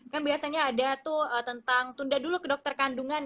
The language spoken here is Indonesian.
kan biasanya ada tuh tentang tunda dulu ke dokter kandungan